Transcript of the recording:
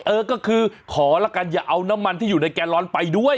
เออก็คือขอละกันอย่าเอาน้ำมันที่อยู่ในแกลลอนไปด้วย